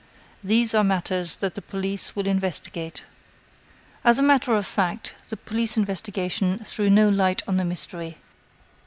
These are matters that the police will investigate." As a matter of fact, the police investigation threw no light on the mystery.